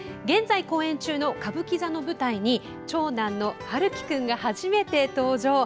現在公演中の歌舞伎座の舞台に長男の陽喜君が初めて登場。